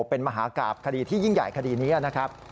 เป็นมหากราบคดีที่ยิ่งใหญ่คดีนี้นะครับ